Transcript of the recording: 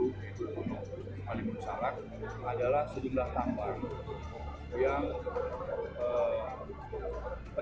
itu halimun salak adalah sederhana tambang yang pecah